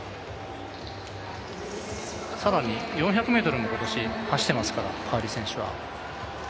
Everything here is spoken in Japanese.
更に４００ｍも今年走ってますから、カーリー選手は。